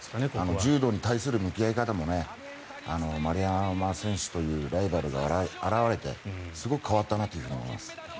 柔道に対する向き合い方も丸山選手というライバルが現れてすごく変わったなと思います。